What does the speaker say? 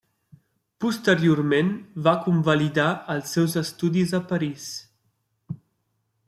Posteriorment va convalidar els seus estudis a París.